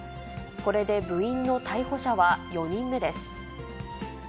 これで部員の逮捕者は４人目です。